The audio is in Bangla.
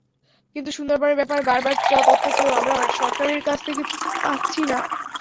কিন্তু সুন্দরবনের ব্যাপারে বারবার তথ্য চেয়েও আমরা সরকারের কাছ থেকে পাচ্ছি না।